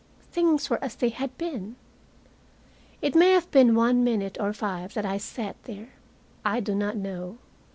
Things were as they had been. It may have been one minute or five that I sat there. I do not know.